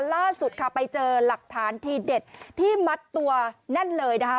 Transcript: ล่าสุดค่ะไปเจอหลักฐานทีเด็ดที่มัดตัวแน่นเลยนะคะ